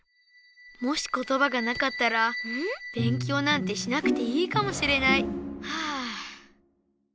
もし言葉がなかったら勉強なんてしなくていいかもしれないはぁ！